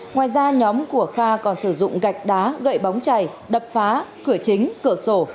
ngoài ra nhóm của kha còn sử dụng gạch đá gậy bóng chảy đập phá cửa chính cửa sổ